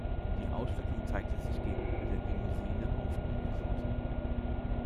Die Ausstattung zeigte sich gegenüber der Limousine aufgewertet.